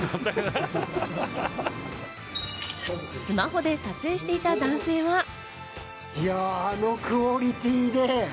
スマホで撮影していた男性は。